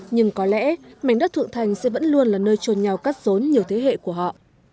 nhưng có lẽ mảnh đất thượng thành sẽ vẫn luôn là nơi trồn nhau cắt rốn nhiều thế hệ của họ